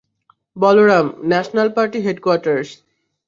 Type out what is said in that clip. Balaram - national party headquarters.